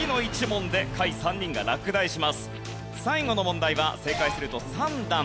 最後の問題は正解すると３段アップです。